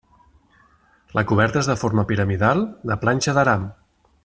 La coberta és de forma piramidal, de planxa d'aram.